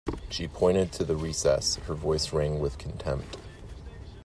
She pointed to the recess; her voice rang with contempt.